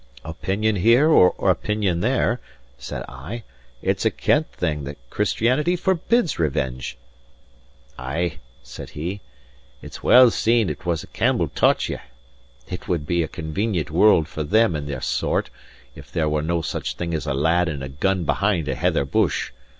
"Opinion here or opinion there," said I, "it's a kent thing that Christianity forbids revenge." "Ay" said he, "it's well seen it was a Campbell taught ye! It would be a convenient world for them and their sort, if there was no such a thing as a lad and a gun behind a heather bush!